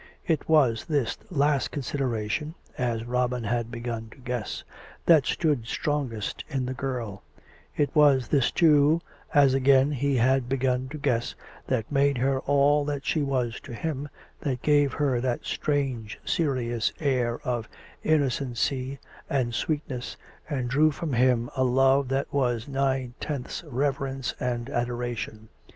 It was this last consideration, as Robin had begun to guess, that stood strongest in the girl; it was this, too, as again he had begun to guess, that made her all that s'he was to him, that gave her that strange serious air of innocency and sweetness, and drew from him a love that was nine tenths reverence and adoration.